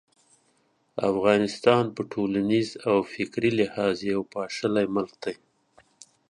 افغانستان په ټولنیز او فکري لحاظ یو پاشلی ملک دی.